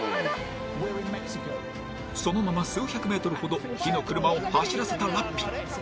そのまま数百メートルほど火の車を走らせたラッピ。